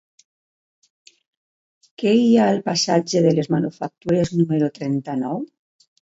Què hi ha al passatge de les Manufactures número trenta-nou?